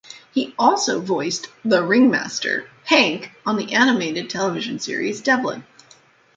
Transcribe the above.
He also voiced the ringmaster, Hank, on the animated television series "Devlin".